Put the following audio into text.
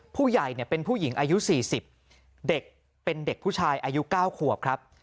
ผู้ใหญ่เนี่ยเป็นผู้หญิงอายุ๔๐เด็กเป็นเด็กผู้ชายอายุ๙ขวบครับ